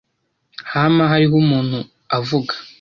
Hama hariho umuntu avuga.